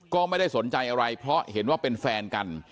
ก็ไม่ได้สนใจอะไรเพราะเห็นว่าเป็นแฟนกัน